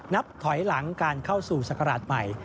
นับถอยหลังการเข้าสู่ศักราชใหม่